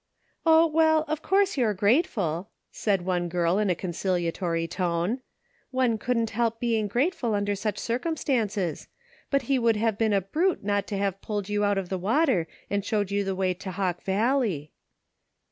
" Oh, well, of course you're grateful," said one girl in a conciliatory tone. " One couldn't help being grate ful under such circumstances ; but he would have been a brute not to have pulled you out of the water and showed you the way to Hawk Valley."